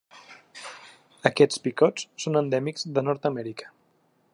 Aquests picots són endèmics de Nord-amèrica.